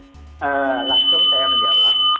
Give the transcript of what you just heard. oke langsung saya menjawab